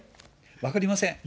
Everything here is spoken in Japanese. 分かりません。